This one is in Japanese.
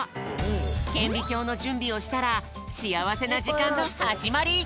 けんびきょうのじゅんびをしたらしあわせなじかんのはじまり！